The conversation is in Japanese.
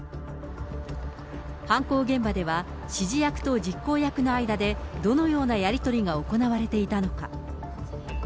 犯行現場では、指示役と実行役の間でどのようなやり取りが行われていたのか。